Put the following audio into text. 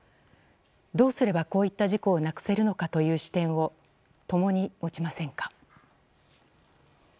どうすればこういった事故をなくせるのかという視点を共に持ちませんか。